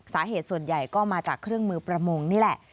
สาเหตุส่วนใหญ่ก็มาจากเครื่องมือประมงนี่แหละ